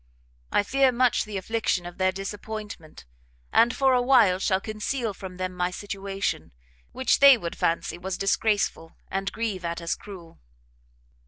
I fear much the affliction of their disappointment, and, for a while, shall conceal from them my situation, which they would fancy was disgraceful, and grieve at as cruel."